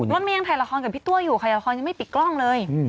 รถเมย์ยังถ่ายละครกับพี่ตัวอยู่ถ่ายละครยังไม่ปิดกล้องเลย